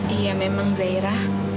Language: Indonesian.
iya memang zaira